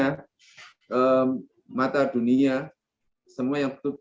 ngomong bisa ada ketigaceu dan empatiembre don't you know